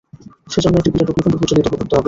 সেজন্য একটি বিরাট অগ্নিকুণ্ড প্রজ্বলিত করতে হবে।